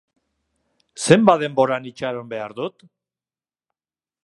Zenbat denboran itxaron behar dut?